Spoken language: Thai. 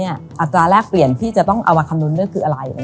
อัตราแรกเปลี่ยนที่จะต้องเอามาคำนวณก็คืออะไร